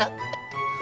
gak terlalu baiknya